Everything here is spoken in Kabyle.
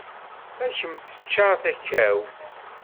Ad kem-teččar takawt.